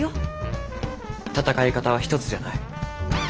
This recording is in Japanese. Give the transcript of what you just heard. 戦い方は一つじゃない。